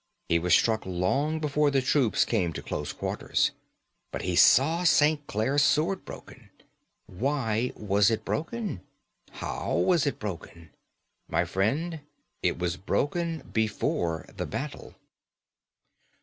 He was struck long before the troops came to close quarters. But he saw St. Clare's sword broken. Why was it broken? How was it broken? My friend, it was broken before the battle."